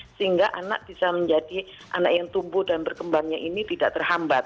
sehingga anak bisa menjadi anak yang tumbuh dan berkembangnya ini tidak terhambat